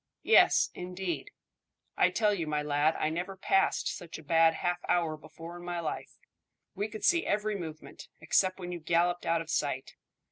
"Yes, indeed. I tell you, my lad, I never passed such a bad half hour before in my life. We could see every movement, except when you galloped out of sight.